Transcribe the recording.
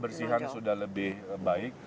kebersihan sudah lebih baik